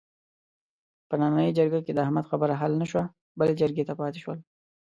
په نننۍ جرګه کې د احمد خبره حل نشوه، بلې جرګې ته پاتې شوله.